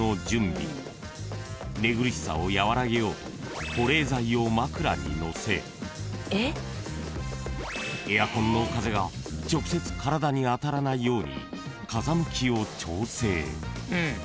［寝苦しさを和らげようと保冷剤を枕にのせエアコンの風が直接体に当たらないように風向きを調整］